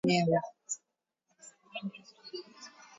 Neutroiak ere ekoizten ditu berilioarekin nahasten denean.